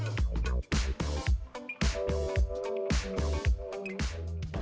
pembelajaran mobil anda jauh juga tidak masalah